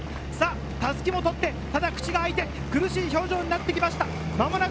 襷も取って口が開いて苦しい表情になってきました。